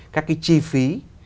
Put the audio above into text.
các cái chi phí